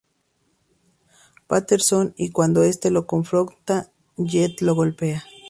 Patterson y cuando este lo confronta Jett lo golpea.